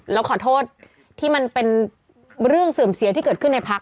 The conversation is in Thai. แล้วขอโทษที่มันเป็นเรื่องเสื่อมเสียที่เกิดขึ้นในพัก